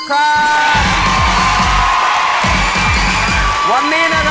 ขอบคุณครับ